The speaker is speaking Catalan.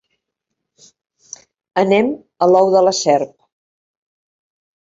Anem a l’ou de la serp.